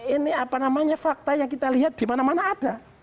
ini apa namanya fakta yang kita lihat di mana mana ada